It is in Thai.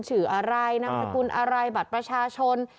ชื่ออะไรนามสกุลอะไรบัตรประชาชน